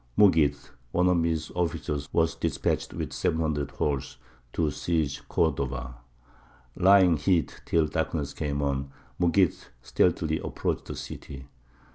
Mughīth, one of his officers, was despatched with seven hundred horse to seize Cordova. Lying hid till darkness came on, Mughīth stealthily approached the city.